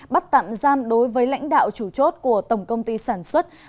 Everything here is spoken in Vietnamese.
bắt tạm giam đối với lãnh đạo chủ chốt của tổng công ty sản xuất